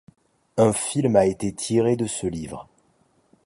Un film a été tiré de ce livre.